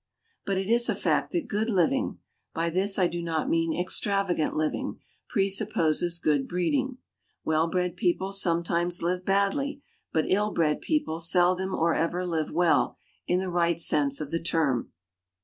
But it is a fact that good living by this I do not mean extravagant living presupposes good breeding. Well bred people sometimes live badly; but ill bred people seldom or ever live well, in the right sense of the term.